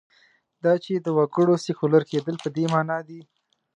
دا چې د وګړو سیکولر کېدل په دې معنا دي.